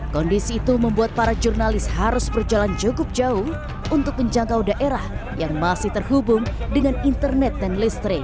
kondisi itu membuat para jurnalis harus berjalan cukup jauh untuk menjangkau daerah yang masih terhubung dengan internet dan listrik